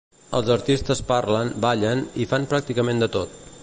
Els artistes parlen, ballen i fan pràcticament de tot.